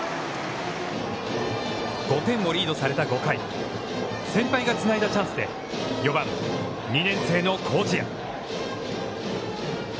５点をリードされた５回、先輩がつないだチャンスで４番、２年生の麹家。